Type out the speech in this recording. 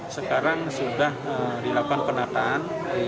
sekarang sudah dilakukan penataan